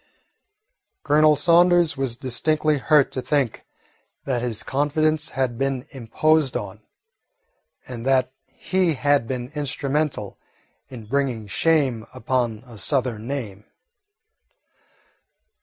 Colonel Saunders was distinctly hurt to think that his confidence had been imposed on, and that he had been instrumental in bringing shame upon a Southern name.